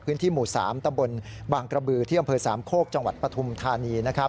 พื้นที่หมู่๓ตำบลบางกระบือที่อำเภอสามโคกจังหวัดปฐุมธานี